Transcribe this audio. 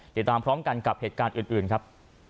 ติดตามพร้อมกันกับเหตุการณ์อื่นครับ